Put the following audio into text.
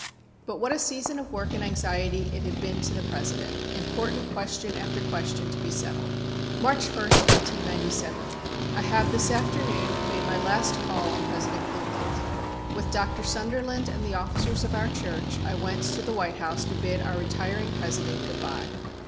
But what a season of work and anxiety it had been to the President, important question after question to be settled. "March 1, 1897. I have this afternoon made my last call on President Cleveland. With Dr. Sunderland and the officers of our church I went to the White House to bid our retiring President goodbye.